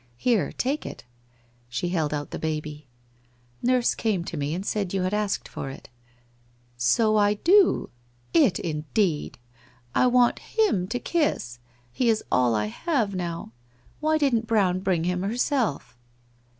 Here, take it/ She held out the baby. * Nurse came to me and said you had asked for it/ ' So I do. It indeed ! I want him to kiss. He is all I have now. Why didn't Brown bring him herself